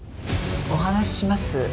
お話しします。